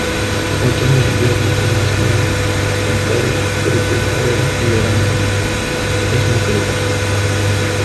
Otoño e invierno son más bien templados, pero primavera y verano es muy caluroso.